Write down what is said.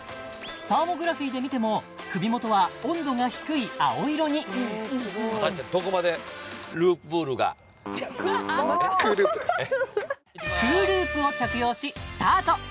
サーモグラフィーで見ても首元は温度が低い青色にＣＯＯＬＯＯＰを着用しスタート